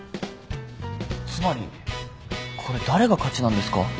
つまりこれ誰が勝ちなんですか？